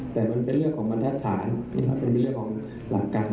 แต่มันเป็นเรื่องของบรรทัศน์นะครับมันเป็นเรื่องของหลักการ